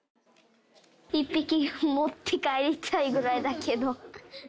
１匹持って帰りたいぐらいだけど。